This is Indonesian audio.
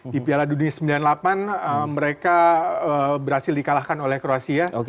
di piala dunia sembilan puluh delapan mereka berhasil dikalahkan oleh kroasia